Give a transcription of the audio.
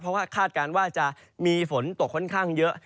เพราะว่าคาดการณ์ว่าจะมีฝนตกค่อนข้างเยอะ